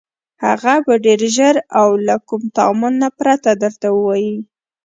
هغه به ډېر ژر او له كوم تأمل نه پرته درته ووايي: